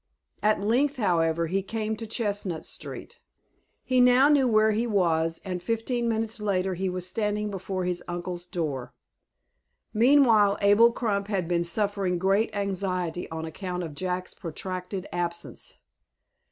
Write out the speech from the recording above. At length, however, he came to Chestnut Street. He now knew where he was, and, fifteen minutes later, he was standing before his uncle's door. Meanwhile, Abel Crump had been suffering great anxiety on account of Jack's protracted absence.